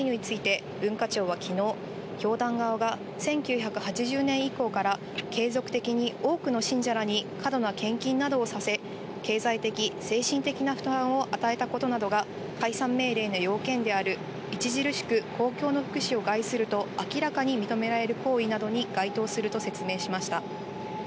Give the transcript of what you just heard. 解散命令の請求理由について、文化庁はきのう、教団側が１９８０年以降から、継続的に多くの信者らに過度な献金などをさせ、経済的・精神的な負担を与えたことなどが解散命令の要件である、著しく公共の福祉を害すると明らかに認められる行為などに該当すると説明しました。